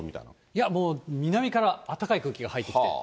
いや、もう南からあったかい空気が入ってきて。